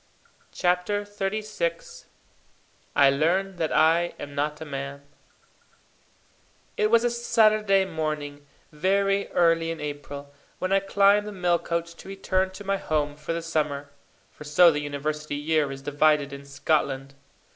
CHAPTER XXXVI I Learn that I am not a Man It was a Saturday morning, very early in April, when I climbed the mail coach to return to my home for the summer; for so the university year is divided in Scotland.